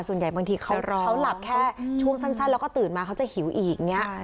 ส่วนใหญ่บางทีเขาหลับแค่ช่วงสั้นแล้วก็ตื่นมาเขาจะหิวอีกอย่างนี้